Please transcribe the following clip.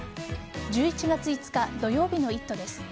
１１月５日土曜日の「イット！」です。